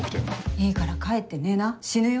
いいから帰って寝な死ぬよ。